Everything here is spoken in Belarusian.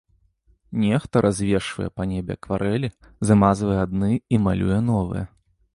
Нехта развешвае па небе акварэлі, замазвае адны і малюе новыя.